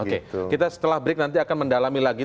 oke kita setelah break nanti akan mendalami lagi